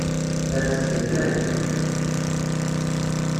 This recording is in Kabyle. Rret-d lmal